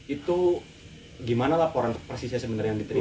itu gimana laporan persisnya sebenarnya yang diterima